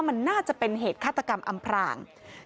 มันน่าจะเป็นเหตุฆาตกรรมอำพราง